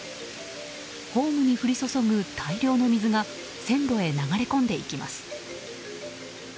ホームに降り注ぐ大量の水が線路へ流れ込んでいきます。